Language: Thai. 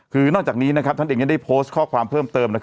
คือนอกจากนี้ท่านเองยังได้โพสต์ข้อความเพิ่มเติม